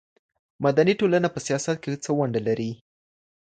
مدني ټولنه په سياست کي څه ونډه لري؟